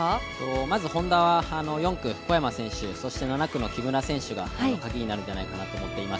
まずＨｏｎｄａは４区・小山選手、７区の木村選手がカギになるんじゃないかと思います。